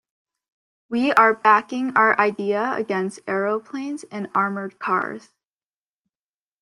We are backing our Idea against aeroplanes and armoured cars.